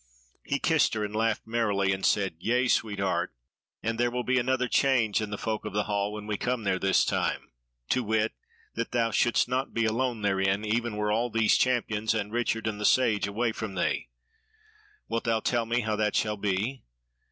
He kissed her and laughed merrily, and said: "Yea, sweetheart, and there will be another change in the folk of the hall when we come there this time, to wit, that thou shouldst not be alone therein, even were all these champions, and Richard and the Sage away from thee. Wilt thou tell me how that shall be?"